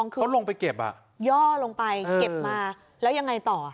เขาลงไปเก็บอ่ะย่อลงไปเก็บมาแล้วยังไงต่อ